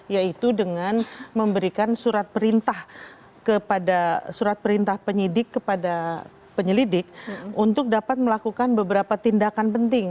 yaitu dengan memberikan surat perintah penyelidik untuk dapat melakukan beberapa tindakan penting